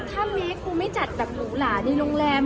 ก็บอกว่าถ้าเมคกูไม่จัดแบบบุหราในโรงแรม